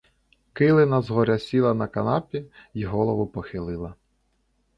Килина з горя сіла на канапі й голову похилила.